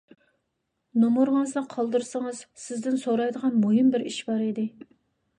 نومۇرىڭىزنى قالدۇرسىڭىز، سىزدىن سورايدىغان مۇھىم بىر ئىش بار ئىدى.